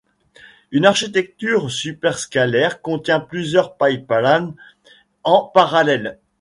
Une architecture superscalaire contient plusieurs pipelines en parallèle.